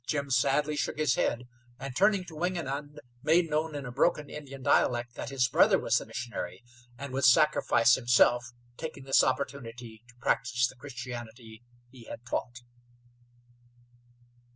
Jim sadly shook his head, and turning to Wingenund made known in a broken Indian dialect that his brother was the missionary, and would sacrifice himself, taking this opportunity to practice the Christianity he had taught.